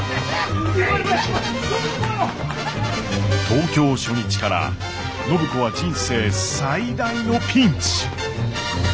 東京初日から暢子は人生最大のピンチ！